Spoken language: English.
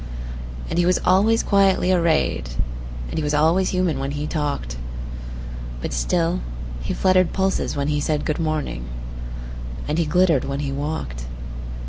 And he was always quietly arrayed, And he was always human when he talked; But still he fluttered pulses when he said,"Good morning," and he glittered when he walked.